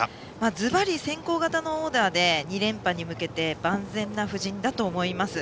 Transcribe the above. ズバリ先行型のオーダーで、２連覇に向けて万全な布陣だと思います。